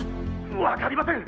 わかりません。